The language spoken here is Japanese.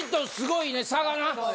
すごいね差がな。